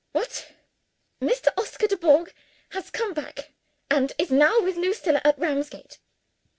What!!! "Mr. Oscar Dubourg has come back, and is now with Lucilla at Ramsgate."